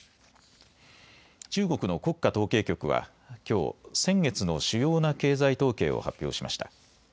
中国の国家統計局はきょう先月の主要な経済統計を発表しました。